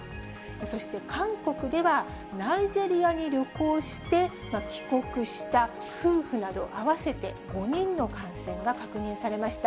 そして韓国では、ナイジェリアに旅行して帰国した夫婦など、合わせて５人の感染が確認されました。